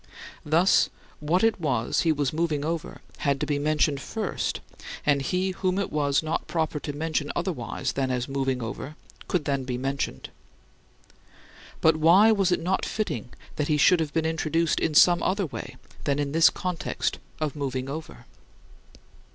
Thus, what it was he was "moving over" had to be mentioned first and he whom it was not proper to mention otherwise than as "moving over" could then be mentioned. But why was it not fitting that he should have been introduced in some other way than in this context of "moving over"?